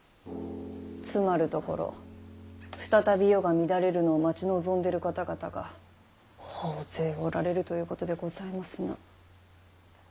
詰まるところ再び世が乱れるのを待ち望んでる方々が大勢おられるということでございますな。